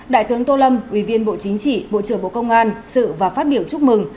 đại tướng tô lâm ủy viên bộ chính trị bộ trưởng bộ công an sự và phát biểu chúc mừng